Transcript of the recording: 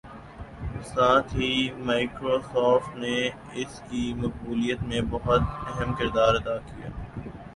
ساتھ ہی مائیکروسوفٹ نے اس کی مقبولیت میں بہت اہم کردار ادا کیا